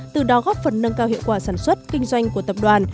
từ đó góp phần nâng cao hiệu quả sản xuất kinh doanh của tập đoàn